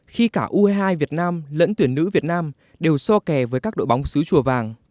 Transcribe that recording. khi cả u hai mươi hai việt nam lẫn tuyển nữ việt nam đều so kè với các đội bóng xứ chùa vàng